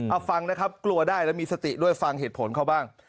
เอาฟังนะครับกลัวได้แล้วมีสติด้วยฟังเหตุผลเขาบ้าง